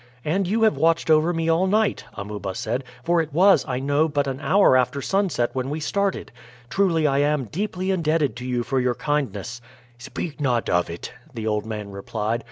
"And you have watched over me all night," Amuba said; "for it was, I know, but an hour after sunset when we started. Truly I am deeply indebted to you for your kindness." "Speak not of it," the old man replied.